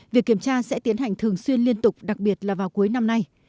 việc kiểm tra sẽ tiến hành thường xuyên liên tục đặc biệt là vào cuối năm nay